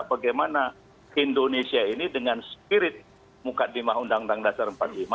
bagaimana indonesia ini dengan spirit mukadimah undang undang dasar empat puluh lima